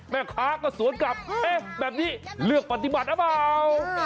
แม่ค้าก็สวนกลับเอ๊ะแบบนี้เลือกปฏิบัติหรือเปล่า